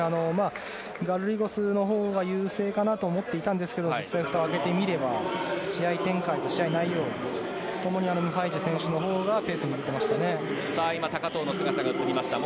ガルリゴスのほうが優勢かなと思っていたんですが実際ふたを開けてみれば試合展開と試合内容ともにムハイジェ選手のほうがペースを握っていましたね。